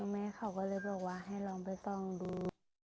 แม่เขาก็เลยบอกว่าให้ลองไปส่องดู